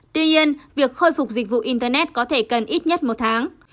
tuy nhiên việc khôi phục dịch vụ internet có thể cần ít nhất một tháng